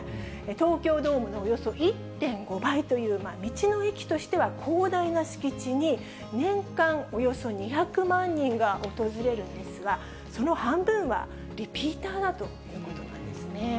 東京ドームのおよそ１．５倍という、道の駅としては広大な敷地に、年間およそ２００万人が訪れるんですが、その半分は、リピーターだということなんですね。